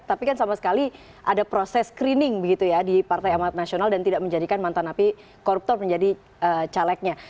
tapi kan sama sekali ada proses screening begitu ya di partai amat nasional dan tidak menjadikan mantan api koruptor menjadi calegnya